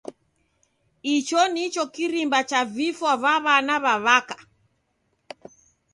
Icho nicho kirimba cha vifwa va w'ana w'a'waka.